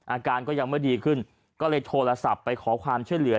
อาการก็ยังไม่ดีขึ้นก็เลยโทรศัพท์ไปขอความช่วยเหลือ